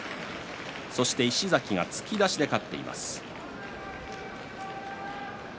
石崎が突き出しで勝っています。